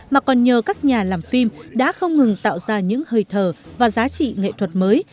mà còn nhờ các nhà làm phim đã không ngừng tạo ra những hơi thở và giá trị nghệ thuật mới